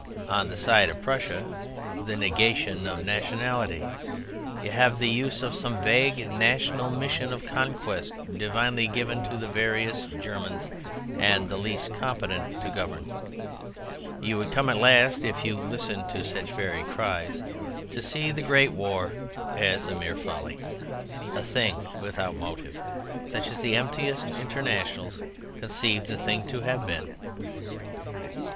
On the side of Prussia (the negation of nationality) you have the use of some vague national mission of conquest divinely given to the very various Germans and the least competent to govern. You would come at last (if you listened to such varied cries) to see the Great War as a mere folly, a thing without motive, such as the emptiest internationals conceive the thing to have been.